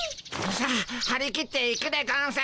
さあはり切っていくでゴンス。